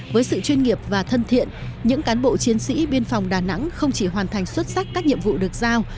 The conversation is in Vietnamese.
với sự chuyên nghiệp và thân thiện những cán bộ chiến sĩ biên phòng đà nẵng không chỉ hoàn thành xuất sắc các nhiệm vụ được giao